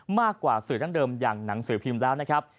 มากกว่าสื่อดั้งเดิมอย่างหนังสือพิมพ์แล้วนะครับ